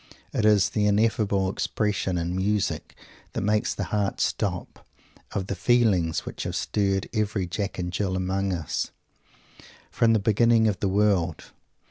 It is the ineffable expression, in music that makes the heart stop, of the feelings which have stirred every Jack and Jill among us, from the beginning of the world!